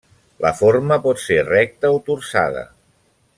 La forma pot ser recta o torçada.